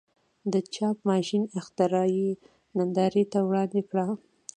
د چاپ ماشین اختراع یې نندارې ته وړاندې کړه.